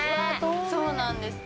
そうなんです。